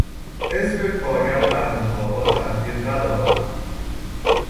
حزب کارگر در انتخابات اخیر بد آورد.